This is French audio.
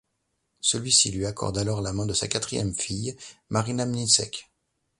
Celui-ci lui accorde alors la main de sa quatrième fille, Marina Mniszek.